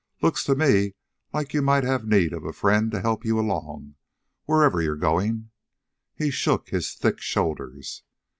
"Looks to me like you might have need of a friend to help you along, wherever you're going." He shook his thick shoulders.